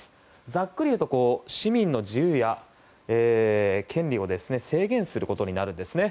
ざっくり言うと市民の自由や権利を制限することになるんですね。